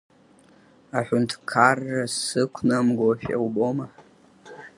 Аҳәынҭқарра сықәнамгошәа убома?